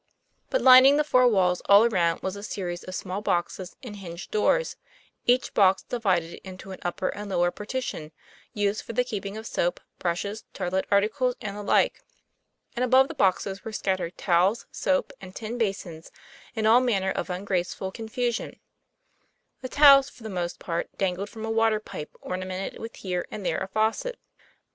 But lining the four walls all around was a series of small boxes with hinged doors, each box di vided into an upper and lower partition, used for the keeping of soap, brushes, toilet articles, and the like ; and above the boxes were scattered towels, soap, and tin basins in all manner of ungraceful confusion; the towels, for the most part, dangling from a water pipe, ornamented with here and there a faucet.